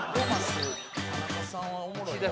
田中さんはおもろいな。